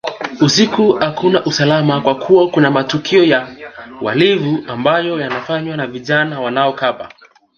Usiku hakuna usalama kwa kuwa kuna matukio ya uhalifu ambayo yanafanywa na vijana wanaokaba